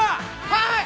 はい！